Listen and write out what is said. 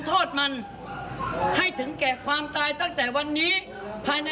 เวลาหนูให้เขียนข่าวหรือว่าประกาศข่าวนะ